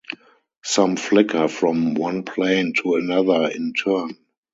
Some flicker from one plane to another in turn .